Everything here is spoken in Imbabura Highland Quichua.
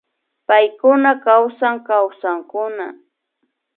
Paykuna kawsan Kawsankuna